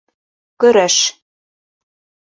Көрәш.